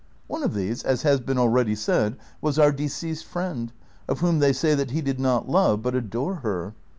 One of these, as has been already said, was our deceased friend, of whom they say that he did not love but adore her.